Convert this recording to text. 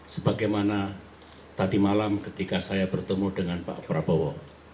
sebagaimana tadi malam ketika saya bertemu dengan pak prabowo